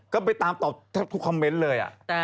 ก็ไปตามตอบแทบทุกคอมเมนต์เลย